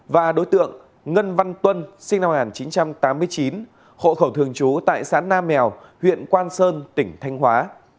và đối tượng ngân văn tuân sinh năm một nghìn chín trăm tám mươi chín hộ khẩu thường trú tại xã nam mèo huyện quang sơn tỉnh thanh hóa